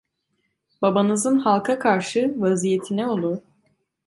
Babanızın halka karşı vaziyeti ne olur?